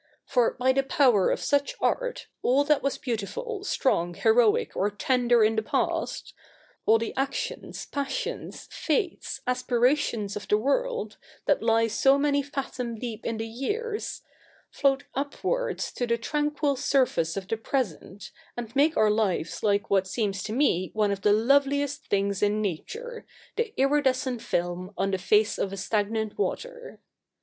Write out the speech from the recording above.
For by the power of such art, all that was beautiful, strong, heroic, or tender in the past — all the actions, passions, faiths, aspirations of the world, that lie so many fathom deep in the years — float upwards to the tranquil surface of the present, and make our lives like what seems to me one of the loveliest things in nature, the iridescent film on the face of a stagnant water.